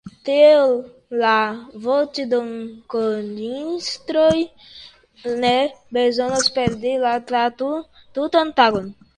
Tiel la voĉdonkontrolistoj ne bezonas perdi la tutan tagon.